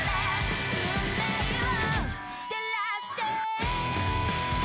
「運命を照らして」